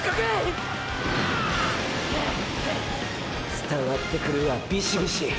伝わってくるわビシビシ。